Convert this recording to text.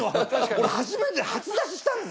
俺初めて初出ししたんだぜ！